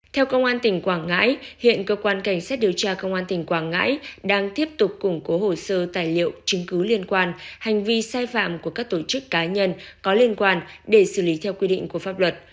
theo công an tỉnh quảng ngãi hiện cơ quan cảnh sát điều tra công an tỉnh quảng ngãi đang tiếp tục củng cố hồ sơ tài liệu chứng cứ liên quan hành vi sai phạm của các tổ chức cá nhân có liên quan để xử lý theo quy định của pháp luật